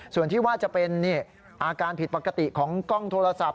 ส่วนที่ว่าจะเป็นอาการผิดปกติของกล้องโทรศัพท์